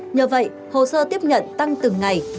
nhờ vậy hồ sơ tiếp nhận tăng từng ngày